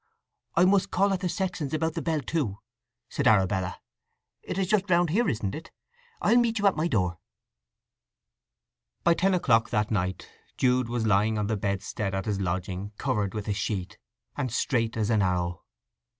"I must call at the sexton's about the bell, too," said Arabella. "It is just round here, isn't it? I'll meet you at my door." By ten o'clock that night Jude was lying on the bedstead at his lodging covered with a sheet, and straight as an arrow.